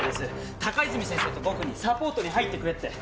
高泉先生と僕にサポートに入ってくれって。